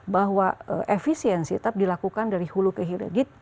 bahwa efisiensi tetap dilakukan dari hulu ke hilir